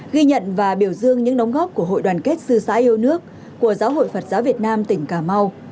ghi nhận và biểu dương những đóng góp của hội đoàn kết sư sãi yêu nước của giáo hội phật giáo việt nam tỉnh cà mau